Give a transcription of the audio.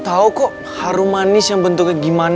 sekiranya abis ini ber sky fen